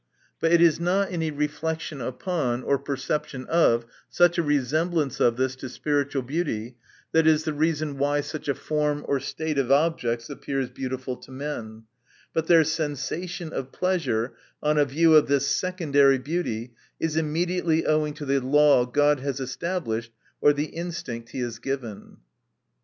But it is not any reflection upon, or perception of, such a resemblance of this to spiritual beauty, that is the reason why such a form or state of objects appears beautiful to men : but their sensation of pleasure, on a view of this secondary beauty, is immediately owing to the law God has established, or the instinct he has given.